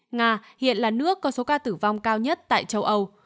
nga hiện là nước có số ca tử vong cao nhất tại châu âu